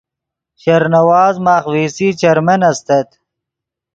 شیر نواز ماخ وی سی چیرمین استت